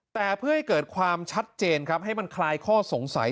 แต่เพื่อให้เกิดความชัดเจนครับให้มันคลายข้อสงสัย